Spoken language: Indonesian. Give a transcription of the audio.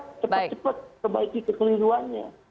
cepet cepet kebaiki kekeliruannya